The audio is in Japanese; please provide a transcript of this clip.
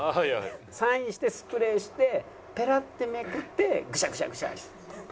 サインしてスプレーしてペラッてめくってぐしゃぐしゃぐしゃ。